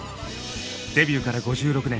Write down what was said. デビューから５６年